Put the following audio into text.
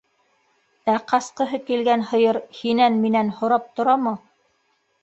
Ә ҡасҡыһы килгән һыйыр һинән-минән һорап торамы?